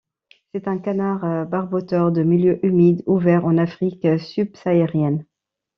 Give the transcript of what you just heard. C'est un canard barboteur de milieux humides ouverts en Afrique subsaharienne.